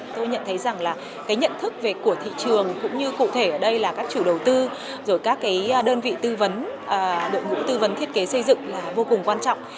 tôi nhận thấy rằng là cái nhận thức của thị trường cũng như cụ thể ở đây là các chủ đầu tư rồi các cái đơn vị tư vấn đội ngũ tư vấn thiết kế xây dựng là vô cùng quan trọng